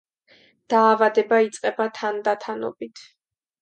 დაავადება იწყება თანდათანობით.